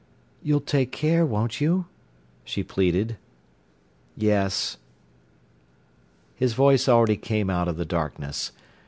"You'll take care, won't you?" she pleaded. "Yes." His voice already came out of the darkness.